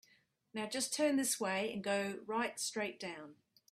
Now you just turn this way and go right straight down.